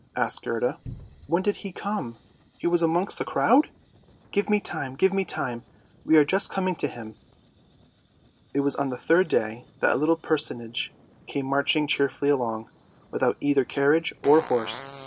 asked Gerda; " when did he come? was he amongst the crowd? "" Give me time, give me time ! we are just coming to him. It was on the third day that a little personage came marching cheerfully along, without either carriage or horse.